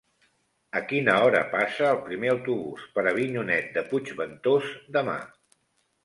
A quina hora passa el primer autobús per Avinyonet de Puigventós demà?